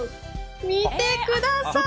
見てください！